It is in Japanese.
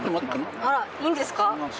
あらいいんですか？